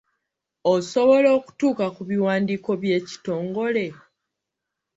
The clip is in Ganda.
Osobola okutuuka ku biwandiiko by'ekitongole?